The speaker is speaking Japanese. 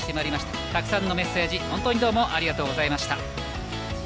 たくさんのメッセージをありがとうございました。